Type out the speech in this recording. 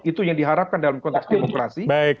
itu yang diharapkan dalam konteks demokrasi